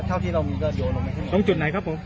ฉันได้ยินแล้วหยุดไฟเยอะเยอะหยุดไฟเยอะเยอะ